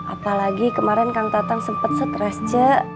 apalagi kemarin kang tatang sempet stres c